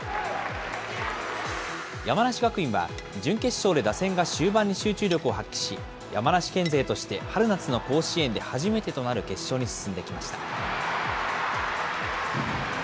山梨学院は、準決勝で打線が終盤に集中力を発揮し、山梨県勢として春夏の甲子園で初めてとなる決勝に進んできました。